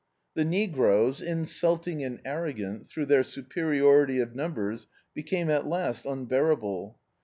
The negroes, insulting and arrc^ant, through their superiority of numbers, became at last unbearable.